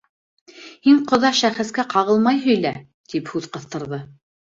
— Һин, ҡоҙа, шәхескә ҡағылмай һөйлә, — тип һүҙ ҡыҫтырҙы.